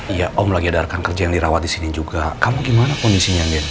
iya om lagi ada rekan kerja yang dirawat di sini juga kamu gimana kondisinya